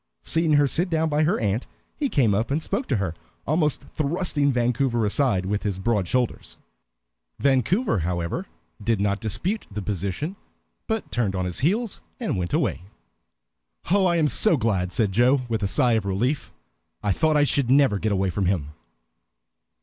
Seeing her sit down by her aunt, he came up and spoke to her, almost thrusting Vancouver aside with his broad shoulders. Vancouver, however, did not dispute the position, but turned on his heel and went away. "Oh, I am so glad," said Joe, with a sigh of relief. "I thought I should never get away from him!"